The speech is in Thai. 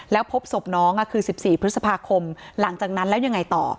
แล้วพบศพน้องคือ๑๔พฤษภาคมหลังจากนั้นแล้วยังไงต่อ